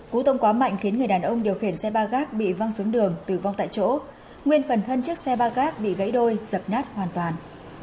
cú tông quá mạnh khiến người đàn ông điều khiển xe ba gác bị văng xuống đường tử vong tại chỗ nguyên phần thân chiếc xe ba gác bị gãy đôi dập nát hoàn toàn